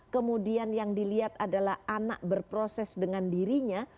kemudian yang dilihat adalah anak berproses dengan dirinya